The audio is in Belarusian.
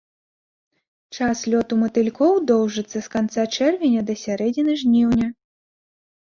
Час лёту матылькоў доўжыцца з канца чэрвеня да сярэдзіны жніўня.